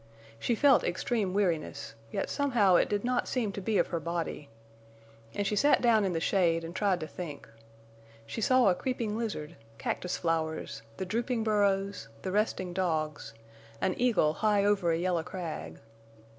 She felt extreme weariness, yet somehow it did not seem to be of her body. And she sat down in the shade and tried to think. She saw a creeping lizard, cactus flowers, the drooping burros, the resting dogs, an eagle high over a yellow crag.